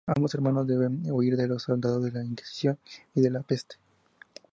Ambos hermanos deben huir de los soldados de la Inquisición y de la peste.